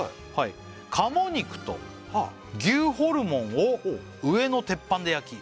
「鴨肉と牛ホルモンを上の鉄板で焼き」